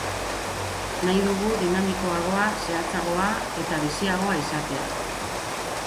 Nahi dugu dinamikoagoa, zehatzagoa eta biziagoa izatea.